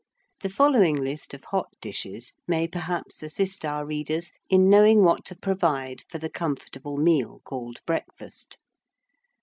The following list of hot dishes may perhaps assist our readers in knowing what to provide for the comfortable meal called breakfast.